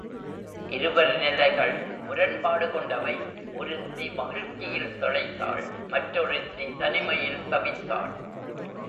இருவர் நிலைகள் முரண்பாடு கொண்டவை ஒருத்தி மகிழ்ச்சியில் திளைத்தாள் மற்றொருத்தி தனிமையில் தவித்தாள்.